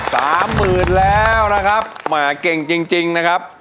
๓๐๐๐๐บาทแล้วนะครับ